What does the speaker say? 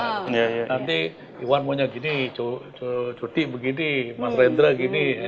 nanti iwan maunya gini cuti begini mas rendra gini